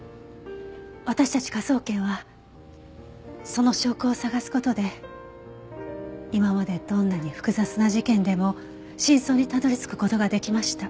私たち科捜研はその証拠を捜す事で今までどんなに複雑な事件でも真相にたどり着く事ができました。